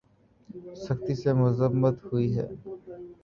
سختی سے مذمت ہوئی ہے